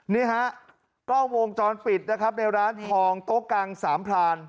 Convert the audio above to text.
นี่ฮะกล้องวงจรปิดนะครับในร้านทองโต๊ะกังสามพราน